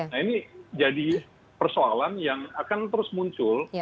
nah ini jadi persoalan yang akan terus muncul